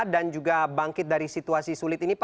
dan juga bangkit dari situasi sulit ini